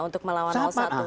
untuk melawan nomor satu